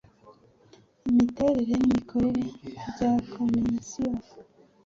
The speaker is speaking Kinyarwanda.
imiterere n imikorere bya komisiyo